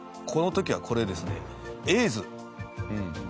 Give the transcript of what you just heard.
この時はこれですねエイズ。